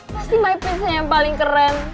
pasti my prince nya yang paling keren